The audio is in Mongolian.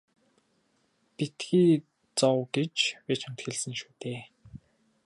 Битгий зов гэж би чамд хэлсэн шүү дээ.